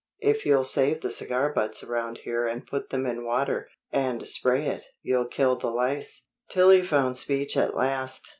If you'll save the cigar butts around here and put them in water, and spray it, you'll kill the lice." Tillie found speech at last.